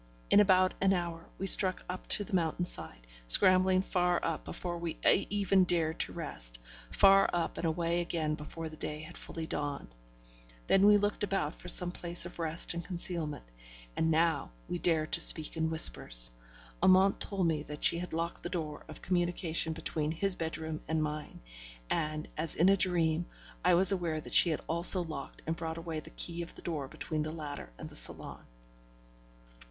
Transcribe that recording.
In about an hour, we struck up to the mountainside, scrambling far up before we even dared to rest; far up and away again before day had fully dawned. Then we looked about for some place of rest and concealment: and now we dared to speak in whispers. Amante told me that she had locked the door of communication between his bedroom and mine, and, as in a dream, I was aware that she had also locked and brought away the key of the door between the latter and the salon.